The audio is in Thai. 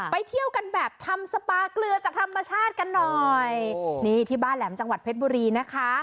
เที่ยวกันแบบทำสปาเกลือจากธรรมชาติกันหน่อยนี่ที่บ้านแหลมจังหวัดเพชรบุรีนะคะ